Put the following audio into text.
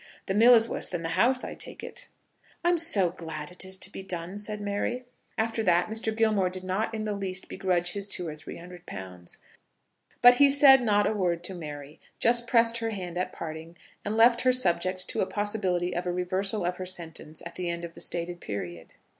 The mill is worse than the house, I take it." "I am so glad it is to be done," said Mary. After that Mr. Gilmore did not in the least begrudge his two or three hundred pounds. But he said not a word to Mary, just pressed her hand at parting, and left her subject to a possibility of a reversal of her sentence at the end of the stated period.